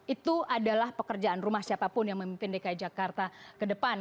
itu adalah pekerjaan rumah siapapun yang memimpin dki jakarta ke depan